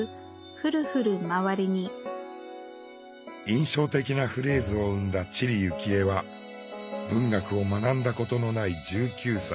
印象的なフレーズを生んだ知里幸恵は文学を学んだことのない１９歳。